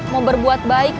mau berbuat baik